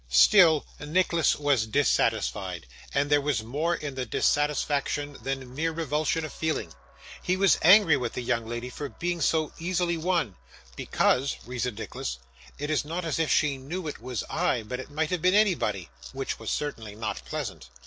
Still, Nicholas was dissatisfied; and there was more in the dissatisfaction than mere revulsion of feeling. He was angry with the young lady for being so easily won, 'because,' reasoned Nicholas, 'it is not as if she knew it was I, but it might have been anybody,' which was certainly not pleasant.